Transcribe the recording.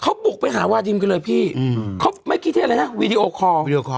เขาบุกไปหาวาดิมกันเลยพี่เขาไม่คิดที่อะไรนะวีดีโอคอร์